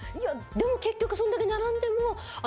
でも結局そんだけ並んでも。